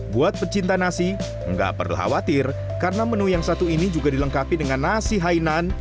buat pecinta nasi nggak perlu khawatir karena menu yang satu ini juga dilengkapi dengan nasi hainan